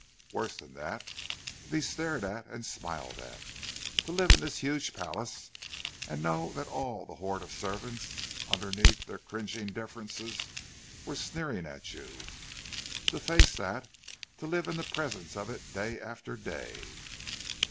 Worse than that, to be stared at and smiled at! To live in this huge palace, and know that all the horde of servants, underneath their cringing deference, were sneering at you! To face that—to live in the presence of it day after day!